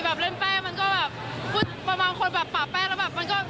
แต่อุ่นใจและปลอดภัยกว่าเดิม